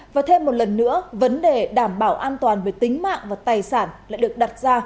và thêm một lần nữa vấn đề đảm bảo an toàn về tính mạng và tài sản lại được đặt ra